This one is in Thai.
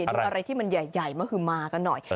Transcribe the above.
ดูอะไรที่มันใหญ่มหือมากันหน่อย